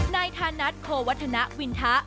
นายธานัทโพวัฒนาวินทะ